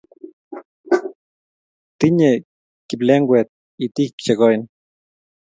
Tinyei kiplengwet itik che koen